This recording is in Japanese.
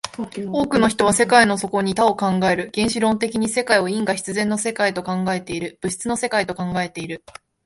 多くの人は世界の底に多を考える、原子論的に世界を因果必然の世界と考えている、物質の世界と考えている。